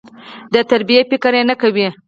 د تربيې فکر نه کوي.